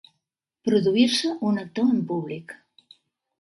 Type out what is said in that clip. Produir-se, un actor, en públic.